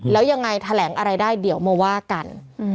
แล้วยังไงแถลงอะไรได้เดี๋ยวมาว่ากัน